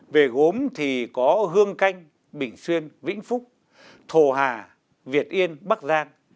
về gốm thì có hương canh bình xuyên vĩnh phúc thổ hà việt yên bắc giang